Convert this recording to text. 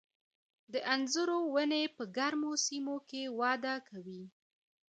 د انځرو ونې په ګرمو سیمو کې وده کوي.